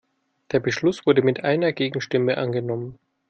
Der Beschluss wurde mit einer Gegenstimme angenommen.